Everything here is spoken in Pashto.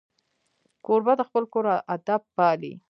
کوربه د خپل کور ادب پالي.